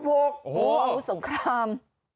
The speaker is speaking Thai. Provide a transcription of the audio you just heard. โอ้โหอาวุธสงคราม